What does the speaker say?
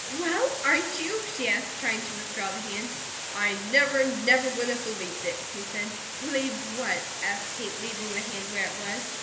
"Well, aren't you?" she asked, trying to withdraw the hand. "I never, never would have believed it," he said. "Believed what?" asked Kate, leaving the hand where it was.